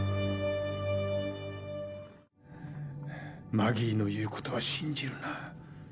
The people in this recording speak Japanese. マギーの言うことは信じるな。